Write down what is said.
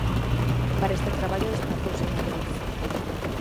Para este traballo desprazouse a Madrid.